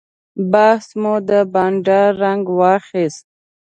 بحث مو د بانډار رنګ واخیست.